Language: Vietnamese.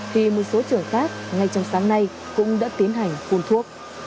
thì một số trường khác ngay trong sáng nay cũng đã tiến hành phun thuốc